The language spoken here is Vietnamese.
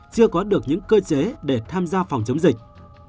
chưa có được những cơ chế để tham gia phòng chống dịch